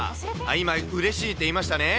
今、うれしいって言いましたね？